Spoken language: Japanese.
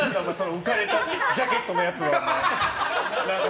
浮かれたジャケットのやつは。